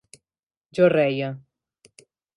Jo reia.